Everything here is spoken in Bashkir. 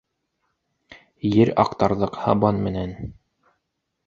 Ер актарҙык һабан менән